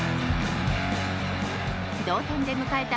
同点で迎えた